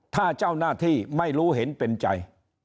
ถ้าเจ้าหน้าที่ไม่รู้เห็นเป็นใจ